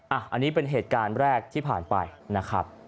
อันนี้เป็นเหตุการณ์แรกที่ผ่านไปนะครับ